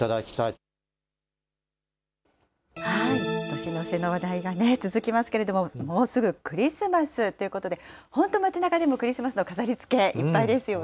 年の瀬の話題が続きますけれども、もうすぐクリスマスということで、本当、街なかでもクリスマスの飾りつけ、いっぱいですよ